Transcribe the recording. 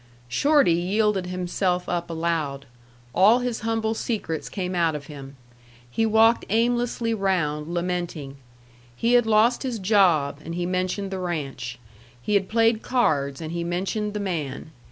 Shorty yielded himself up aloud. All his humble secrets came out of him. He walked aimlessly round, lamenting. He had lost his job, and he mentioned the ranch. He had played cards, and he mentioned the man.